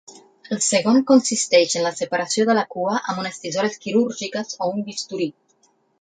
El segon consisteix en la separació de la cua amb unes tisores quirúrgiques o un bisturí.